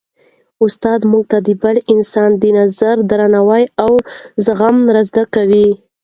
استاد موږ ته د بل انسان د نظر درناوی او زغم را زده کوي.